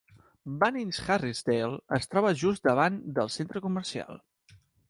Bunnings Harrisdale es troba just al davant del centre comercial.